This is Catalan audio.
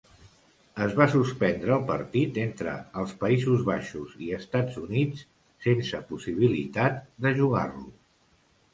Es va suspendre el partit entre els Països Baixos i Estats Units sense possibilitat de jugar-lo.